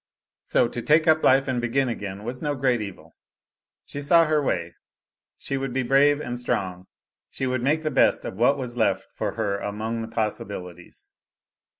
So, to take up life and begin again was no great evil. She saw her way. She would be brave and strong; she would make the best of what was left for her among the possibilities.